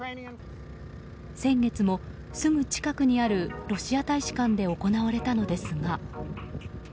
先月もすぐ近くにあるロシア大使館で行われたのですが。